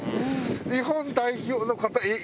日本代表の方。